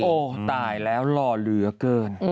โอ้โหตายแล้วหล่อเหลือเกิน